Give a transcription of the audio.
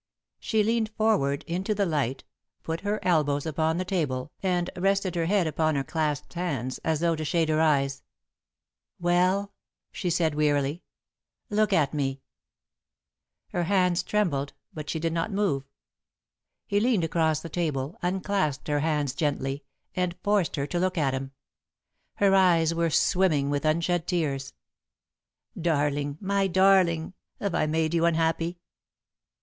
She leaned forward, into the light, put her elbows upon the table, and rested her head upon her clasped hands, as though to shade her eyes. "Well?" she said, wearily. "Look at me!" [Sidenote: Vows and the Law] Her hands trembled, but she did not move. He leaned across the table, unclasped her hands gently, and forced her to look at him. Her eyes were swimming with unshed tears. "Darling! My darling! Have I made you unhappy?"